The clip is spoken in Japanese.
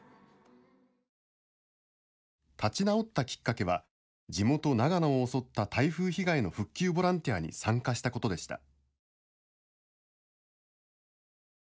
立ち直ったきっかけは地元・長野を襲った台風被害の復旧ボランティアに参加したことでした。